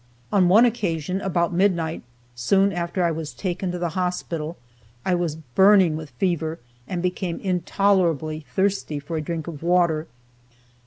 On one occasion, about midnight, soon after I was taken to the hospital, I was burning with fever, and became intolerably thirsty for a drink of water.